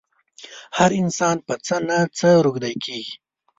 هر انسان په څه نه څه روږدی کېږي.